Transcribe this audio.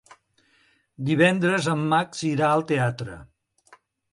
Divendres en Max irà al teatre.